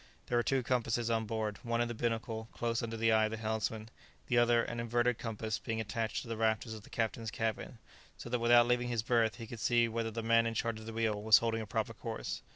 There were two compasses on board; one in the binnacle, close under the eye of the helmsman, the other, an inverted compass, being attached to the rafters of the captain's cabin, so that without leaving his berth he could see whether the man in charge of the wheel was holding a proper course.